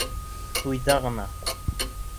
Туйҙа ғына!